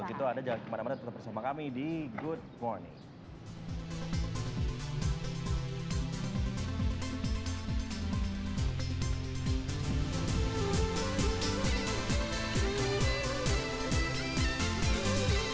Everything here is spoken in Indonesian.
untuk itu ada jalan kemana mana tetap bersama kami di good morning